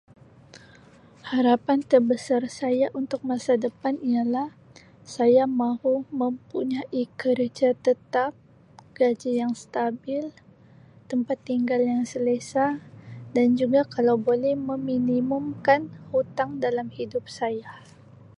Harapan terbesar saya untuk masa depan ialah saya mahu mempunyai kerja tetap, gaji yang stabil, tempat tinggal yang selesa dan juga kalau boleh meminimum kan hutang dalam hidup saya.